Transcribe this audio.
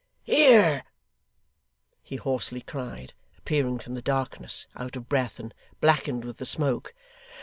'Here!' he hoarsely cried, appearing from the darkness; out of breath, and blackened with the smoke.